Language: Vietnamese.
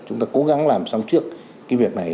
chúng ta cố gắng làm xong trước cái việc này